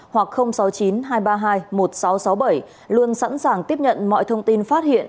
hoặc sáu mươi chín hai trăm ba mươi hai một nghìn sáu trăm sáu mươi bảy luôn sẵn sàng tiếp nhận mọi thông tin phát hiện